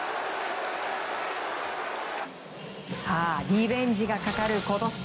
さあ、リベンジがかかる今年。